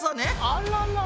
あららら。